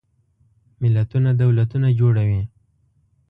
ملتونه دولتونه جوړوي.